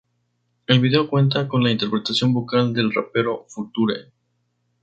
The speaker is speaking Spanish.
El video cuenta con la interpretación vocal del rapero "Future".